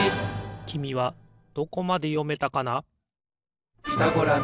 きみはどこまでよめたかな？